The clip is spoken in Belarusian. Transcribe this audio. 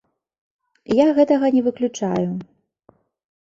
Я гэтага не выключаю.